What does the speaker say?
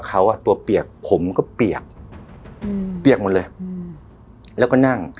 เขาอ่ะตัวเปียกผมก็เปียกเปียกหมดเลยแล้วก็นั่ง